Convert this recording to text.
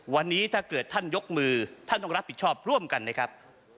วันนี้ถ้าเกิดท่านยกมือท่านต้องรับผิดชอบร่วมกันนะครับ